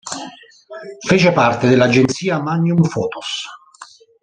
Fece parte dell'agenzia Magnum Photos.